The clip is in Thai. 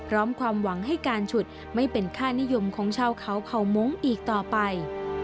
ความหวังให้การฉุดไม่เป็นค่านิยมของชาวเขาเผ่ามงค์อีกต่อไป